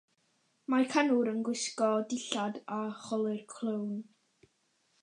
Mae canwr yn gwisgo dillad a cholur clown.